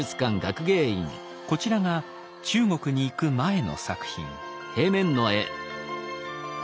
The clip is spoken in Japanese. こちらが中国に行く前の作品。